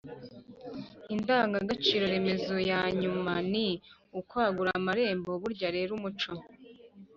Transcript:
indangagaciro remezo ya nyuma ni «ukwagura amarembo». burya rero umuco